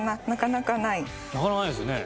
なかなかないですよね。